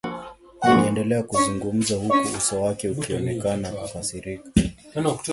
Aliendelea kuzungumza huku uso wake ukionekana kukasirika